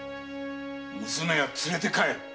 娘は連れて帰る！